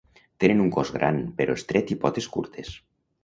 Tenen un cos gran però estret i potes curtes.